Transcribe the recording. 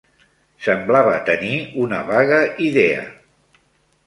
Semblava tenir una vaga idea.